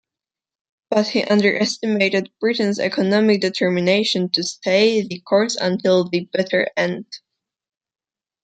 But he underestimated Britain's economic determination to stay the course until the bitter end.